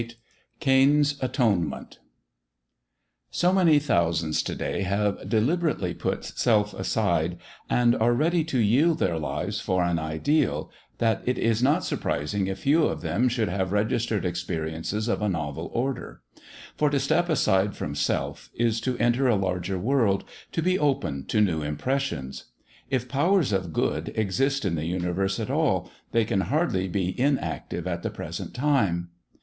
VIII CAIN'S ATONEMENT So many thousands to day have deliberately put Self aside, and are ready to yield their lives for an ideal, that it is not surprising a few of them should have registered experiences of a novel order. For to step aside from Self is to enter a larger world, to be open to new impressions. If Powers of Good exist in the universe at all, they can hardly be inactive at the present time....